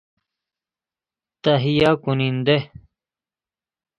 تهیه کننده